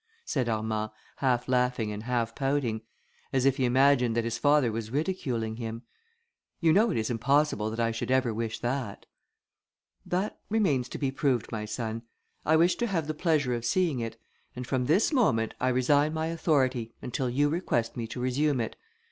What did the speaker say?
said Armand, half laughing and half pouting, as if he imagined that his father was ridiculing him. "You know it is impossible that I should ever wish that." "That remains to be proved, my son. I wish to have the pleasure of seeing it; and from this moment, I resign my authority, until you request me to resume it.